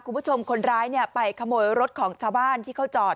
คุณผู้ชมคนร้ายไปขโมยรถของชาวบ้านที่เขาจอด